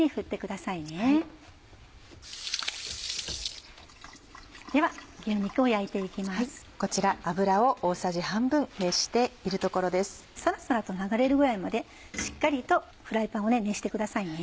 さらさらと流れるぐらいまでしっかりとフライパンを熱してくださいね。